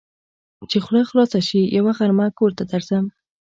چې خوله خلاصه شي؛ يوه غرمه کور ته درځم.